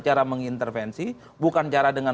cara mengintervensi bukan cara dengan